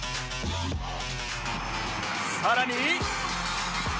さらに